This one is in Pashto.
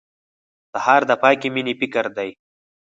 سهار د پاکې مېنې فکر دی.